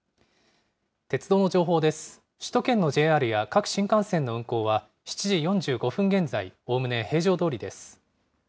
各新幹線の運行は７時４５分現在、おおむね平常どおりです。